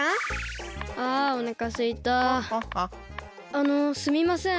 あのすみません。